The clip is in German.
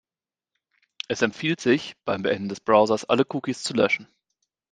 Es empfiehlt sich, beim Beenden des Browsers alle Cookies zu löschen.